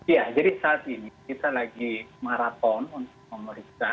ya jadi saat ini kita lagi maraton untuk memeriksa